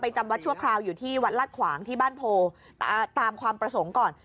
จำวัดชั่วคราวอยู่ที่วัดลาดขวางที่บ้านโพตามความประสงค์ก่อน